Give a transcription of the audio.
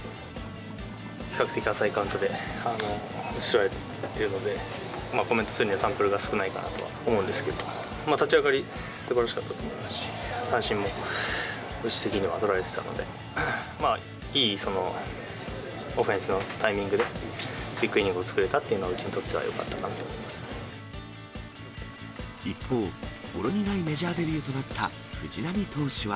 比較的浅いカウントで打ち取られているので、コメントするにはサンプルが少ないかなとは思うんですけど、立ち上がり、すばらしかったと思いますし、三振もうち的にはとられていたので、まあ、いいオフェンスのタイミングで、ビッグイニングを作れたっていうのは、うちにとってはよかったか一方、ほろ苦いメジャーデビューとなった藤浪投手は。